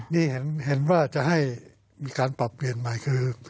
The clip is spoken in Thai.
นี่เห็นว่าจะให้มีการปรับเปลี่ยนใหม่คือ